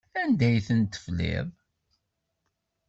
Anda ay tent-tefliḍ?